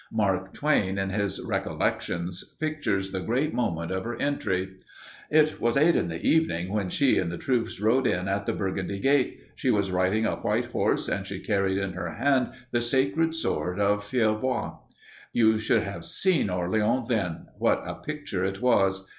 Mark Twain, in his "Recollections," pictures the great moment of her entry. It was eight in the evening when she and the troops rode in at the Burgundy gate.... She was riding a white horse, and she carried in her hand the sacred sword of Fierbois. You should have seen Orleans then. What a picture it was!